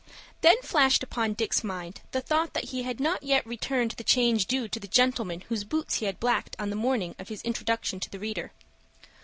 Then flashed upon Dick's mind the thought that he had not yet returned the change due to the gentleman whose boots he had blacked on the morning of his introduction to the reader.